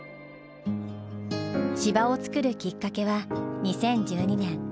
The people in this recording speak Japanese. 芝を作るきっかけは２０１２年。